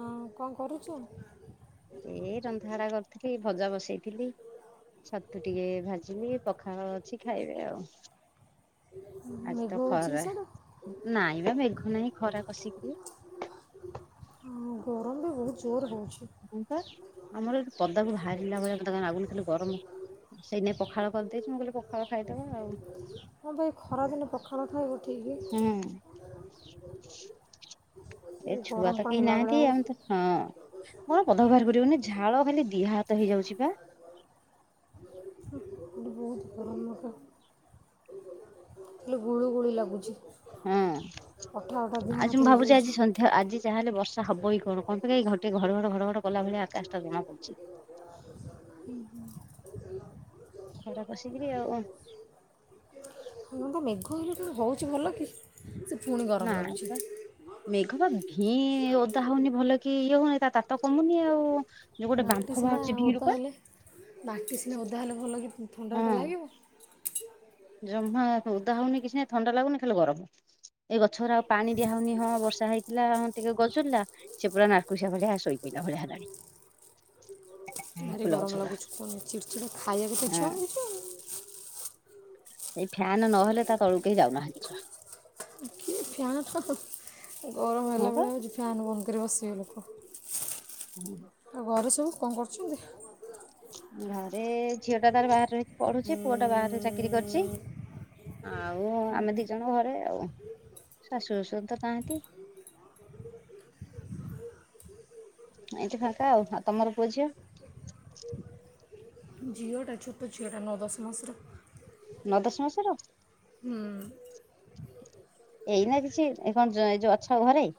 ହଁ କଣ କରୁଚ? ଏଇ ରନ୍ଧାବଡା କରୁଥିଲି ଭଜା ବସେଇ ଥିଲି ଛତୁ ଟିକେ ଭାଜିବି ପଖାଳ ଅଛି ଖାଇବେ ଆଉ। ଆଜି ମେଘ ତ ହେଉଛି କି ଖରା ସିଆଡ଼େ ନାଇଁ ବା ମେଘ ନାହିଁ ଖରା କଷିକିରି। ଆଉ ଗରମ ବି ବହୁତ ଜୋର ହଉଚି। ହଁ ପା। ଆମର ଏ ପଦାକୁ ବାହାରିଲା ଭଳିଆ ମତେ କାଇଁ ଲାଗୁନି। ଖାଲି ଗରମ ସେଇ ନାଗି ପଖାଳ କରିଦେଇଚି। ମୁଁ କହିଲି ପ ଖାଳ ଖାଇଦବା ଆଉ। ହଁ ପା ଏ ଖରା ଦିନେ ପଖାଳ ଖାଇବ ଠିକି। ହୁଁ ଏ ଛୁଆ ଗରମ ତ କ'ଣ କେହି ହେଲା ଭଳିଆ ନାହାନ୍ତି ଆମେ ହେଉଛି ତ ହଁ ମୋ ପଦାକୁ ବାହାରି ପାରିବନି। ଝାଳ ଖାଲି ଦିହା ହାତ ହେଇଯାଉଚି ପା। ହୁଁ ଏଇଠି ବହୁତ ଗରମ ନକ ହେଲେ ଗୁଳୁ ଗୁଳି ଲାଗୁଛି। ହଁ ଅଠା ଅଠା ଦେହ ହାତ ଆଜି ମୁଁ ଭାବୁଚି ହେଇଯାଉଛି ଆଜି ସ ନ୍ଧ୍ୟା ଆଜି ଯାହା ହେଲେ ବର୍ଷା ହବି କଣ। କମ୍ପିଲାଇଁ ଏ ଘଣ୍ଟେ ଘଡଘଡ ଘଡଘଡ କଲା ଭଳି ଆକାଶଟା ଜଣା ପଡୁଚି। ଉଁ ହୁଁ। ଖରା ପସିିକିରି ଆଉ। ଉଁ କଣ ମେଘ ହେଲେ କଣ ହଉଚି ଭଲ କି ସେ ପୁଣି ଗରମ ନାଇଁ ଲାଗୁଛି ପା। ମେଘ ପା ଭିଇଁ ଓଦା ହଉନି ଭଲ କି ଇଏ ହଉନି ତା ତାତ କମୁନି ଆଉ ଯୋଉ ଗୋଟେ ବାମ୍ଫ ମାଟି ସିନା ବାହାରୁଛି ଭିଁରୁ ଓଦା ପା ହେଲେ ମାଟି ସିନା ଓଦା ହେଲେ ଭଲ କି ଥଣ୍ଡାଟା ହଁ। ଲାଗିବ। ଜମା ଉଦା ହଉନି କିଛି ନାହିଁ ଥଣ୍ଡା ଲାଗୁନି ଖାଲି ଗରମ। ଏଇ ଗଛ ଗୁରା ପାଣି ଦିଆହଉନି ହଁ ବର୍ଷା ହେଇଥିଲା ହଁ ଟିକେ ଗଜୁରିଲା। ସେ ପୁରା ନାରକୁଶଆ ଭଳିଆ ଶୋଇ ପଇଲା ଭଳିଆ ହେଲାଣି। ଭାରି ଫୁଲ ଗରମ ଗଛଗୁରା ଲାଗୁଚି କୁହନି ଚିଡ଼ଚିଡା ଖାଇବାକୁ ତ ହଁ। ଇଛା ହଉନି କିଛି ଆଉ। ଏଇ ଫ୍ୟାନ ନହେଲେ ତା ତଳୁକୁ କେହି ଯାଉନାହାନ୍ତି ଛୁଆ। ଫ୍ୟାନ୍ ତ ହ ହଁ ଗରମ ହଁ ପା। ହେଲାଭଳିଆ ହଉଚି ଫ୍ୟାନ୍ ବନ୍ଦ କରି ବସିବେ ଲୋକ। ଉଁ। ଆଉ ଘରେ ସବୁ କଣ କରୁଚନ୍ତି? ଘରେ ଝିଅଟା ତାର ବାହାରେ ରହିକି ପଢୁଚି। ପୁଅ ଟା ବାହାରେ ଚାକିରି କରିଚି। ଆଉ ଆମେ ଦି ଜଣ ଘରେ ଆଉ ଶାଶୁ ଶଶୁର ତ ନାହାଁନ୍ତି। ଏଇଠି ଫାଙ୍କା ଆଉ। ଆଉ ତମର ପୁଅ ଝଅ? ଝିଅଟା ଛୋଟ ଝିଅଟା ନଅ ଦଶମାସର। ନଅ ଦଶ ମାସର? ହୁଁ। ଏଇନା କିଛି ଏ କଣ ଏ ଯୋ ଅଛ ଘରେ?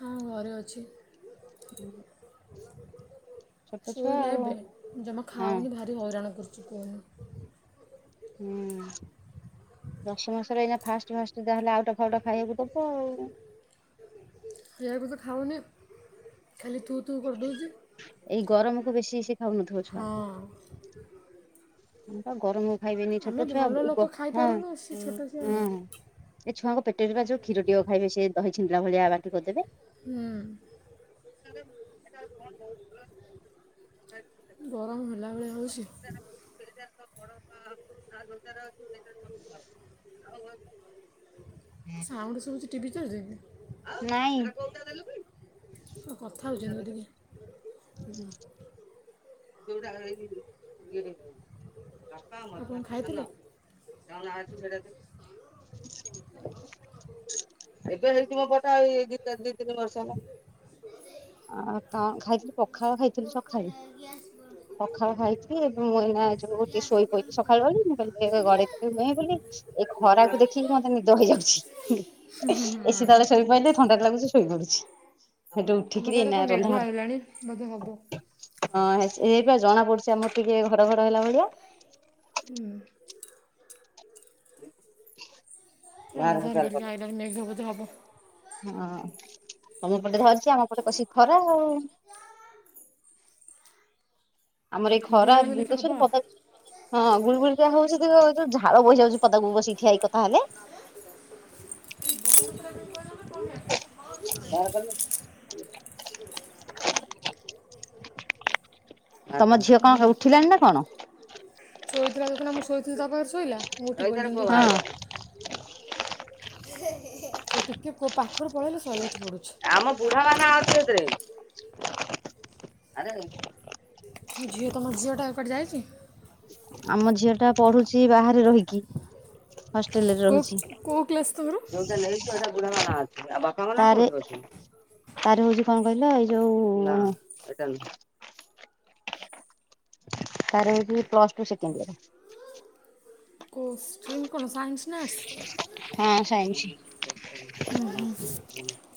ହଁ ଘରେ ଅଛି। ହୁଁ। ଶୋଇଲା ଆଉ ଏବେ ଜମା ହଁ ଖାଉନି ଭାରି ହଇରାଣ କରୁଛି କୁହନି। ହୁଁ। ଦଶ ମାସର ଏଇନା ଫାଷ୍ଟ ଫାଷ୍ଟ ଯାହେଲେ ଆଉଟା ଫାଉଟ ଖାଇବାକୁ ଦବ ଆଉ। ସେଇଆକୁ ତ ଖାଉନି ଖାଲି ତୁ ତୁ କରିଦେଉଚି। ଇ ଗରମକୁ ବେଶୀ ସେ ଖାଉନଥିବ ଛୁଆ ହଁ ତ ଗରମ ଖାଇବେନି ଆମେ ଛୋଟ ଛୁଆ ଭଲ ଏଇ ଲୋକ ହଁ ହଁ ଖାଇପାରୁନୁ ସେ ଛୋଟ ଛୁଆ ସେ ଛୁଆଙ୍କ ପେଟରେ ବା ଯଉ କ୍ଷୀର ଟିଏ ଖାଇବେ ସେ ଦହି ଛିଣ୍ଡିଲା ଭଳିଆ ବାନ୍ତି କରିଦେବେ। ହୁଁ। [unintelligible] ଗରମ ହେଲାଭଳିଆ ହଉଚି। [unintelligible] ସାଉଣ୍ଡ ଶୁବୁଚି ଟି ଭି ଚାଲିଚି କି? ନାଇଁ। କଥା ହେଉଚନ୍ତି ବୋଧେ କିଏ? ହୁଁ। [unintelligible] ଆଉ କ'ଣ ଖାଇଥିଲ [unintelligible] [unintelligible] [inaudible] ଆଉ କଣ ଖାଇଥିଲି ପଖାଳ ଖାଇଥିଲି ସଖାଳେ [unintelligible] ପଖାଳ ଖାଇଥିଲି ମୁଁ ଏଇନା ଯୋଉି ଶୋଇପଇଲି ସକାଳ ଓଳି ଗ ମୁଁ କହିଲି ଗଡେଇ ତଡେଇ ହୁଏ ବୋଲି ଏ ଖରାକୁ ଦେଖିକି ଆମର ମତେ ନିଦ ହେଇଯାଉଚି। ଏସି ତଳେ ଶୋଇପେଇଲେ ଥଣ୍ଡା ଲାଗୁଚି ଶୋଇ ପଡୁଚି। ସେଟୁ ଉଠିକି ଆମ ଇଆଡେ କଣ ମେଘ ଆଇଲାଣି ବୋଧେ ହେବ। ହଁ ହେଇ ହେଇପା ଜଣା ପଡୁଛି ଆମର ଟିକେ ଘର ଘର ହେଲା ଭଳିଆ। ହୁଁ ପୂରା ଅନ୍ଦାର କରିକି ଆଇଲାଣି ମେଘ ବଧେ ହେବ। ହଁ ତମ ପଟେ ଧରିଚି ଆମ ପଟେ କଷିକ ଖରା ଆଉ। ଆମର ଏଇ ଖରା ବୁଲି ବୁଲିକି ହବ ଦୋସୁରୁ ପଦାକୁ ହଁ ଗୁଳ ଗୁଳି ଟା ହଉଚି ଯୋଉ ଝାଳ ବୋହିଯାଉଚି ପଦାକୁ ବସିକି ଠିଆହେଇକି କଥା ହେଲେ। [inaudible] ତମ ଝିଅ କଣ ଉଠିଲାଣି ନା କଣ? ଶୋଇଥିଲା ଦେଖୁନା ମୁଁ ଶୋଇଥିଲ ତାପାଖରେ ଶୋଇଲା ମୁଁ ଉଠିିପଇଲି ହଁ ଯେମିତି ଉଠିପଇଲା। ସେ ଟିକେ ପାଖରୁ ପଳେଇଲେ ସଇଲା ଉଠି ପଡୁଚି। [inaudible] ଝିଅ ତମ ଝିଅ ଟା କୁଆଡେ ଯାଇଚି? ଆମ ଝିଅ ଟା ପଢୁଚି ବାହାରେ ରହିକି। ହଷ୍ଟେଲ ରେ କୋଉ ରହୁଚି। କୋଉ କ୍ଲାସ୍ ତମର [inaudible] ତାର ହଉଚି କଣ କହିଲ ଏଇ ଯୋଉ ତାର ହଉଚି ପ୍ଲସ ଟୁ ସେକଣ୍ଡ ଇୟର। କୋଉ ଷ୍ଟ୍ରିମ୍ କଣ ସାଇନ୍ସ ନା ଆର୍ଟ୍ସ ହଁ ସାଇନ୍ସ। ହୁଁ ହୁଁ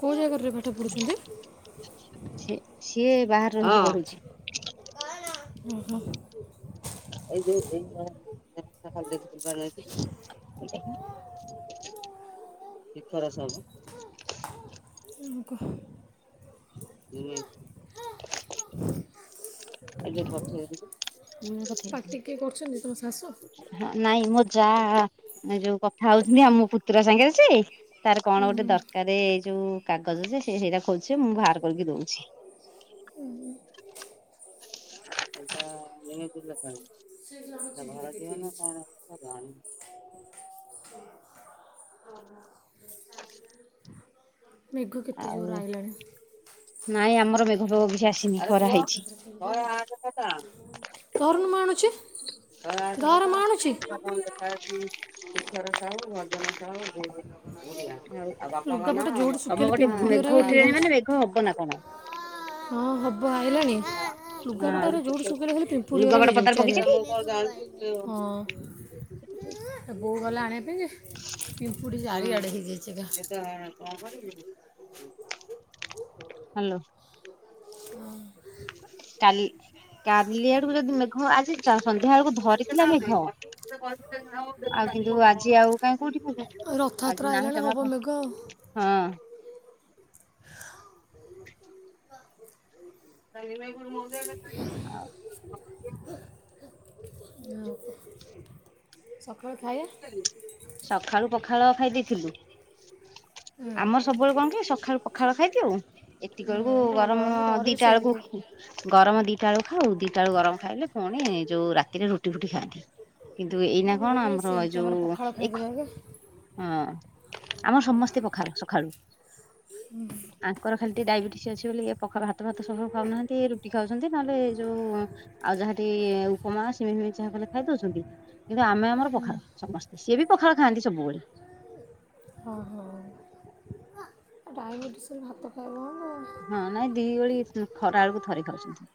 କୋଉ ଜାଗାରେ ପାଠ ପଢୁଛନ୍ତି? ସେ ସିଏ ବାହରେ ରହିକି ପଢୁଛି। ଓହୋ। [unintelligible] [inaudible] ଏ ଖରା ସମ ହୁ ହୁ କୁହ। ଉଁ ଆଉ ଟିକେ ପଠେଇଦେଇଥିଲି। ପାଟି କିଏ କରୁଛନ୍ତି ତୁମ ଶାଶୁ? ହଁ ନାଇଁ ମୋ ଯାଆ ଯୋଉ କଥା ହଉଛନ୍ତି ଆଉ ମୋ ପୁତୁରା ସାଙ୍ଗରେ ସେ ତାର କଣ ଗୋଟେ ଦରକାର ଏଇ ଯୋଉ କାଗଜ ଯେ ସେଇଟା ଖୋଜୁଛି ଯେ ମୁଁ ବାହାର କରିକି ଦୋଉଛି। ସେଇଟା ନି ଲୋକ ସେଟା ଘର ଯିବ ନା କଣ ପ୍ରଧାନ ହଁ ହଁ। ମେଘ କେତେ ଆଉ ଜୋର ଆଇଲାଣି। ନାଇଁ ଆମର ମେଘ ଫେଗ କିଛି ଆସିନି ଖରା ହେଇଛି। ଧରୁନୁ ମୁଁ ଆଣୁଛି। ତ ଆସ ଧର କଥା ତାଠ ସୁଖର ସାହୁ ଭଜନ ସାହୁ ଲୁଗାପଟା ଯୋଉଠି ତମ ଶୁଖେଇଲେ ପଟେ ପିମ୍ପୁଡ଼ିଓରା ମେଘ ଉଠିଲାଣି ହେଇଯାଉଛି ମାନେ ମେଘ ହବ ନା କଣ। ହଁ ହବ ଆଇଲାଣି ଲୁଗାପଟା ଗୁରା ଯୋଉଠୁ ହଁ। ଶୁଖେଇଲେ ଖାଲି ପିମ୍ପୁଡ଼ିି ଗୁରା ଲୁଗାପଟା ହେଇଯାଉଛି ପଦାରେ ପକେଇଛି ଚାରିଆଡେ। ମେଘୁ ହବ ଟି? ଆଇଲାଣୀ। ହଁ ବୋଉ ଗଲା ଆଣିବା ପାଇଁ ଯେ ପିମ୍ପୁଡି ଚାରିଆଡ଼େ ହେଇଯାଇଛି। ଚି ଏକା। ହାଲୋ। କାଲି କାଲି ଆଡକୁ ଯଦି ମେଘ ଆଜି ଚ ସନ୍ଧ୍ୟା ବେଳକୁ ଧରିଥିଲା ମେଘ ଆଉ କିନ୍ତୁ ଆଜି ଆଉ କାହିଁ କୋଉଠି ଯବ ରଥଯାତ୍ରା ଆଜି ନାହିଁ ଆଇଲାଣି ଜମା ହବ ମେଘ ଆଉ ହଁ। କଲିମ ଗୁର ମଉ ଯା ଖଲି ଆଉ? ସଖାଳ ଖାଇବା? ସଖାଳୁ ପଖାଳ ଖାଇ ଦେଇଥିଲୁ ଆମର ସବୁବେଳେ କଣ କି ସକାଳୁ ପଖାଳ ଖାଇଦେଉ। ଆଉ ଏତିକି ବେଳକୁ ମୁଁ ଭଲ ଆମ ଗରମ ଘରେ ବି ଦିଟା ସେମିତି ବେଳକୁ ଗରମ ଦିଟା ବେଳକୁ ଖାଉ ଦିଟା ବେଳକୁ ଗରମ ଖାଇଲେ ପୁଣି ଯୋଉ ରାତିରେ ରୁଟି ଫୁଟି ଖାଆନ୍ତି। କିନ୍ତୁ ଏଇନା ଘରେ କଣ ବି ଆମର ଏ ସେମିତି ଯୋଉ ପଖାଳ ଏକ୍ ଖାଇଦେବେ ଆଗେ ହଁ ଆମର ସମସ୍ତେ ପଖାଳ ସଖାଳୁ। ହୁଁ। ଆଙ୍କର ଖାଲି ଟିକେ ଡାଇବେଟିସି ଅଛି ବୋଲି ଇଏ ପଖ ଭାତ ଫାତ ସଖାଳୁ ଖାଉନାହାନ୍ତି ରୁଟି ଖାଉଛନ୍ତି। ନହେଲେ ଯୋଉ ଆଉ ଯାହାଠି ଉପମା ସିମେଇ ଫିମେଇ ଚାହା କଲେ ଖାଇ ଦଉଛନ୍ତି କିନ୍ତୁ ଆମେ ଆମର ପଖାଳ। ସମସ୍ତେ ସିଏ ବି ପଖାଳ ଖାଆନ୍ତି ସବୁବେଳେ। ହଁ ହଁ। ସେ ଭାତ ଖାଇବା ହେଲେ। ହଁ ନାଇଁ ଦି ଓଳି ଖରାବେଳକୁ ଥରେ ଖାଉଛନ୍ତି।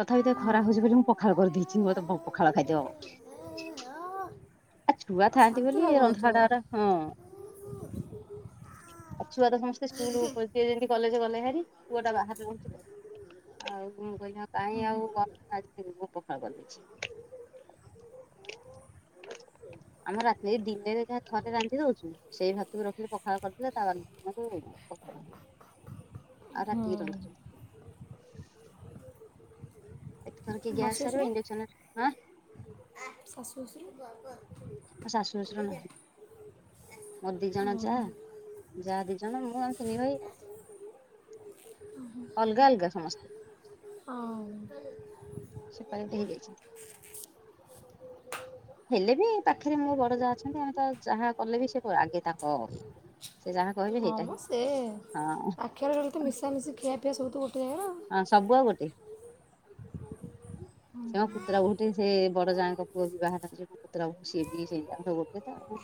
ତଥାପି ତ ଖରା ହଉଛି ବୋଲି ମୁଁ ପଖାଳ କରିଦେଇଛି ମୁ ତ ପଖାଳ ଖାଇଦିଅ ଆଉ। ଆ ଛୁଆ ଥାଆନ୍ତି ଶାନ୍ତି ବୋଲି ଲାଗୁନଥିବ ରନ୍ଧାବଢ଼ାରା [unintelligible] ଛୁଆ ତ ସମସ୍ତେ ସ୍କୁଲୁ କୁ ଯିଏ ଯେମିତି କଲେଜ ଗଲେ ହାରି ପୁଅ ଟା ବାହାରେ ରହୁଚି। ଆଉ ମୁ କହିଲି କାହିଁ ଆଉ ଗଠ ଭା ପଖାଳ କରିଦେଇଛି ହ ହ ଆମେ ରାତିରେ ଦିନେରେ ଯାହା ଥରେ ରାନ୍ଧି ଦଉଛୁ ସେଇ ଭାତକୁ ରଖିଲେ ପଖାଳ ରଖିଦେଲେ ତା ବାସିଦିନକୁ ରାତିକି ରନ୍ଧା ହୁଁ ଏତେଥର କି ଶାଶୁ ଗ୍ୟାସ୍ ଶ୍ୱଶୁର ସାରିବ ଇଣ୍ଡକ୍ସନରେଁ ଆ ଶାଶୁ ଶ୍ୱଶୁର ଶାଶୁ ଶଶୁର ନାହାନ୍ତି। [unintelligible] ମୋର ଦି ଜଣ ହଁ ଯା ଯା ଦି ଜଣ ମୁଁ ଆଉ ତିନି ଭାଇ ଅଲଗା ଅଲଗା ସମସ୍ତେ। ହଁ ସେପାରେ ହେଇଯାଇଚିତି [unintelligible] ହେଲେ ବି ପାଖରେ ମୋ ବଡ ଯାହା ଅଛନ୍ତି ଆମେ ତ ଯାହା କଲେ ବି ସେ ଆଗେ ତାଙ୍କ ସେ ଯାହା କହିବେ ହଁ ସେଇଟା ମଁ ହିଁ ସେ ହଁ ପାଖେରେ ରୁଅନ୍ତି ମିଶା ମିଶି ଖିଆ ଫିଆ ସବୁ ତ ଗୋଟେ ଜାଗାରେ ଆଉ ହଁ ସବୁ ଆଉ ଗୋଟେ [unintelligible] ସେ ମୋ ପୁତୁରା ବୋହୂ ଟେ ସେ ବଡ଼ ଯାଙ୍କ ପୁଅ ବିବାହାର ଯିବ ପତୁରା ବୋହୂ ସିଏ ବି ସେ ଯା ର ଗୋଟେ ତ ଆଉ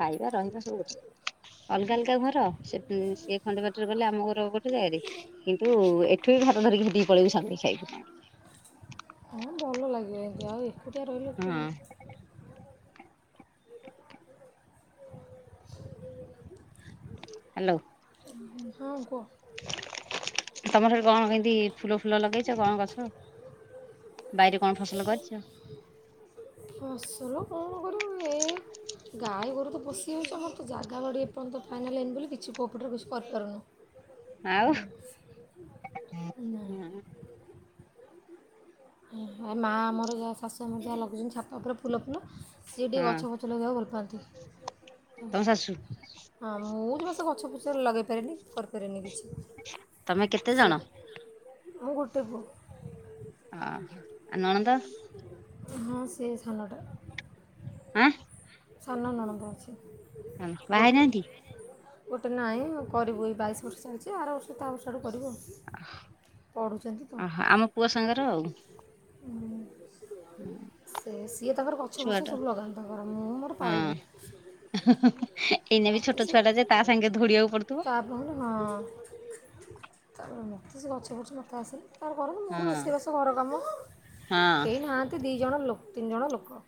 ଖାଇବା ରହିବା ସବୁ ଗୋଟେ ଅଲଗା ଅଲଗା ଘର ସେ ସିଏ ଖଣ୍ଡେ ବାଟରେ ଗଲେ ଆମ ଘର ଗୋଟେ ଜାଗାରେ କିନ୍ତୁ ଏଠୁ ବି ଘର ଧରିକିି ହେଠିକି ପଳେଇବି ଶାନ୍ତିରେ ଖାଇକିନା ହଁ ଭଲ ଲାଗେ ଆଉ ଏକୁଟିଆ ରହିଲେ ଆଉ ହଁ କଣ ହାଲୋ ହଁ ହଁ କୁଅ ତମର ସେଠେ କଣ କେନ୍ତି ଫୁଲ ଫୁଲ ଲଗେଇଛ କଣ ଗଛ ବାଇରେ କଣ ଫସଲ କରିଚ? ସଲ କଣ କରୁିବୁ ଏ ଗାଈ ଗୋରୁ ତ ପଷିଯାଉଛ ଜାଗା ବାଡ଼ି ଏପର୍ଯ୍ୟନ୍ତ ଫାଇନାଲ ହେଇନି ବୋଲି କିଛି କୋପଟର କିଛି କରିପାରୁନୁ। ଆଉ ନା ମାଆ ଆମର ଯାହା ଶାଶୁ ଆମ ଯାହା ଲଗଉଛନ୍ତି ଛାତ ଉପରେ ଫୁଲ ଫୁଲ ସିଏ ଟିକେ ଗଛ ଫ ଛ ଲଗେଇବାକୁ ଭଲ ପାଆନ୍ତି। ତମ ଶାଶୁ ହଁ ମୁଁ ଜମା ସେ ଗଛ ଫଛ ଲଗେଇ ପାରେନି କି କରିପାରେନି କିଛି। ତମେ କେତେ ସେ ଜଣ? ମୁଁ ଗୁଟେ ପୁଅ। ଆ ନଣନ୍ଦ ହଁ ସେ ସାନଟା ହଁ। ସାନ ନଣନ୍ଦର ଅଛି ବାହା ଗୋଟେ। ହେଇନାହାନ୍ତି ଗୋଟେ ନାହିଁ କରିବୁ ଏଇ ବାଇଶ ବର୍ଷ ଚାଲିଛି ଆର ବର୍ଷ ତାର ବର୍ଷ ଆଡକୁ କରିବୁ। ପଢ଼ୁଛନ୍ତି ତ। ଓହୋ ଆମ ପୁଅ ସାଙ୍ଗର ଆଉ ହଁ ସେ ସିଏ ତାପରେ ଗଛ ବୁର୍ଛ ଛୁଆଟା ସବୁ ଲଗାନ୍ତିତା ତାଙ୍କର ମୁଁ ମୋର ପାରେନି ହଁ ଏଇନା ବି ଛୋଟ ମୋତେ ସେ ଛୁଆଟା ଯେ ତା ସାଙ୍ଗେ ଧଉଡିବାକୁ ପଡୁଥିବ ଆପଣ ହଁ ତାପ ମୋତେ ସେ ଗଛ ବୃଛ ମୋତେ ଆସିନି। ତାର କରନ୍ତୁ ହଁ ମୋର ରୋଷେଇବାସ ଘର କାମ ହଁ କେହି ନାହାନ୍ତି ଦି ଜଣ ତିନି ଜଣ ଲୋକ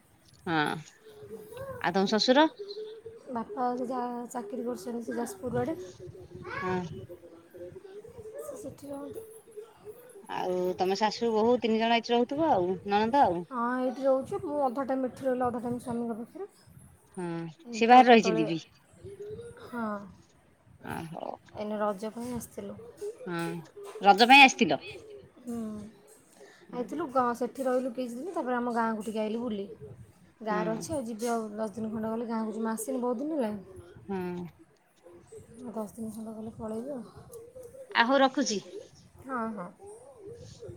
ହଁ। [inaudible] ଆଉ ତମ ଶ୍ୱଶୁର ବାପା ଯାହା ଚାକିରିୀ କରୁଛନ୍ତି ଯାଜପୁର ଆଡ଼େ। ହୁଁ। ସେ ସେଠିରହନ୍ତି। ଆଉ ତମେ ଶାଶୁ, ବୋହୁ ତିନି ଜଣ ଏଇଠି ରହୁଥୁବ ଆଉ ନଣନ୍ଦ ଆଉ। ହଁ ଏଇଠି ରହୁଚି ମୁଁ ଅଧା ଟାଇମ୍ ଏଠି ରହିଲେ ଅଧା ଟାଇମ୍ ସ୍ୱାମୀଙ୍କ ପାଖରେ। ହୁ ସିଏ ଏମିତି ଆଉ ବାହାରେ କେତେବେଳେ ରହିଚିନ୍ତି କି? ହଁ ଅ ହଉ ଏଇନେ ରଜ ପାଇଁ ଆସ୍ ସିଲୁ ହଁ ରଜ ପାଇଁ ଆସିଥିଲ। ହୁଁ। ଆଇଥିଲୁ ଗ ସେଠି ରହିଲୁ କିଛି ଦିନ ତାପରେ ଆମ ଗାଁକୁ ଟିକିଏ ଆଇିଲି ବୁଲି। ହୁଁ ଗାଁରେ ଅଛି ଆଉ ଯିବି ଆଉ ଦଶ ଦିନ ଖଣ୍ଡ ଗଲେ ଗାଁକୁ ଯିମି ଆସନି ବୋହୁତ୍ ଦିନ ହେଲାଣି। ହୁଁ। ଦଶ ଦିନ ଖଣ୍ଡ ଗଲେ ପଳେଇବି ଆଉ। ଆ ହଉ ରଖୁଚି। ହଁ ହଁ। ହଁ [inaudible]